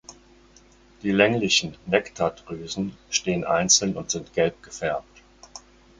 Die länglichen Nektardrüsen stehen einzeln und sind gelb gefärbt.